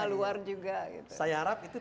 luar juga saya harap itu